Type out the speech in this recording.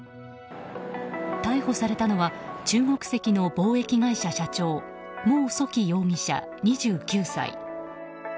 逮捕されたのは中国籍の貿易会社社長モウ・ソキ容疑者、２９歳。